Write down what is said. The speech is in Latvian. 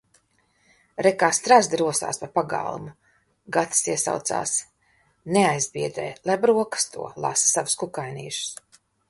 "Re, kā strazdi rosās pa pagalmu!" Gatis iesaucās. Neaizbiedē, lai brokasto, lasa savus kukainīšus.